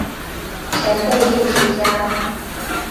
前辈艺术家